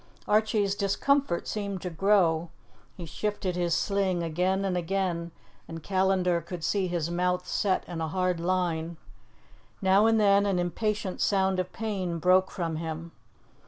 Archie's discomfort seemed to grow; he shifted his sling again and again, and Callandar could see his mouth set in a hard line. Now and then an impatient sound of pain broke from him.